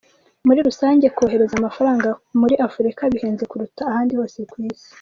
Muri rusange kohereza amafaranga muri Afurika bihenze kuruta ahandi hose ku Isi.